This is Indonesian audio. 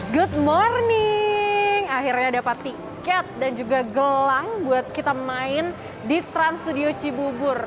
good morning akhirnya dapat tiket dan juga gelang buat kita main di trans studio cibubur